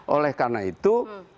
oleh karena itu